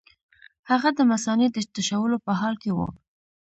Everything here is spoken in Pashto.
هغه د مثانې د تشولو په حال کې وو.